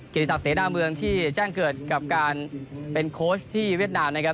เกดีศักดิ์เสนามเมืองที่แจ้งเกิดกับการเป็นโคชที่เวียดนาม